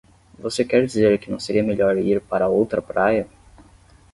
Você quer dizer que não seria melhor ir para outra praia?